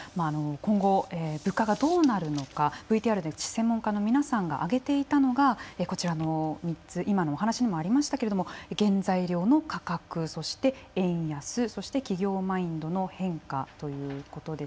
今後物価がどうなるのかＶＴＲで専門家の皆さんが挙げていたのがこちらの３つ今のお話にもありましたけれども原材料の価格そして円安そして企業マインドの変化ということでした。